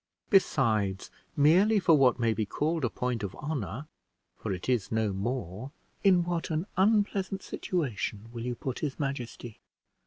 Besides, merely for what may be called a point of honor, for it is no more, in what an unpleasant situation will you put his majesty!